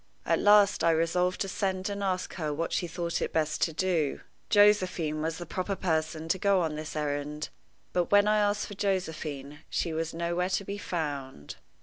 At last I resolved to send and ask her what she thought it best to do. Josephine was the proper person to go on this errand; but when I asked for Josephine, she was nowhere to be found.